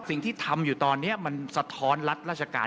สิ่งที่ทำอยู่ตอนนี้มันสะท้อนรัฐราชการ